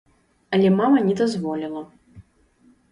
Але мама не дазволіла.